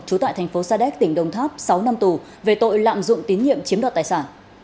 trú tại thành phố sadek tỉnh đồng tháp sáu năm tù về tội lạm dụng tín nhiệm chiếm đoạt tài xả